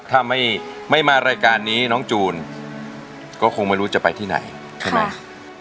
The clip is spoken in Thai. ถ้าไม่มารายการนี้น้องจูนก็คงไม่รู้จะไปที่ไหนใช่ไหม